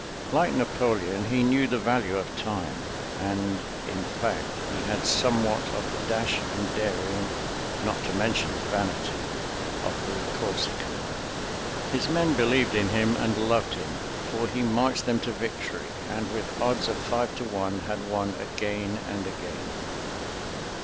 Like Napoleon, he knew the value of time, and, in fact, he had somewhat of the dash and daring, not to mention the vanity, of the Corsican. His men believed in him and loved him, for he marched them to victory, and with odds of five to one had won again and again.